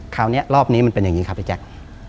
คราวนี้รอบนี้มันเป็นอย่างนี้ครับพี่แจ๊ค